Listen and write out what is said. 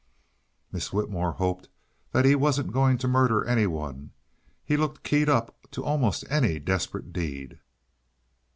Miss Whitmore hoped he wasn't going to murder anyone; he looked keyed up to almost any desperate deed.